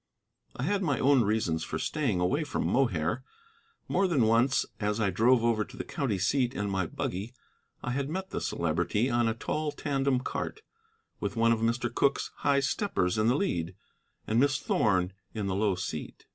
I had my own reasons for staying away from Mohair. More than once as I drove over to the county seat in my buggy I had met the Celebrity on a tall tandem cart, with one of Mr. Cooke's high steppers in the lead, and Miss Thorn in the low seat.